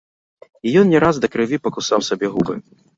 І ён не раз да крыві пакусаў сабе губы.